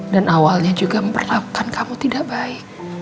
dan awalnya juga memperlakukan kamu tidak baik